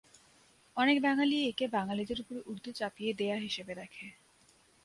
অনেক বাঙালি একে বাঙালিদের উপর উর্দু চাপিয়ে দেয়া হিসেবে দেখে।